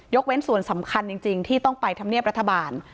เว้นส่วนสำคัญจริงที่ต้องไปทำเนียบรัฐบาล